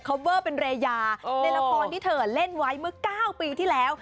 เวอร์เป็นเรยาในละครที่เธอเล่นไว้เมื่อ๙ปีที่แล้ว